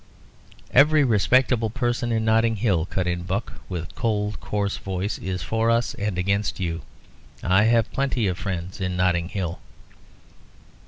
"Every respectable person in Notting Hill," cut in Buck, with his cold, coarse voice, "is for us and against you. I have plenty of friends in Notting Hill."